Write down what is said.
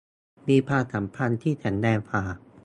มีความสัมพันธ์ที่แข็งแรงกว่า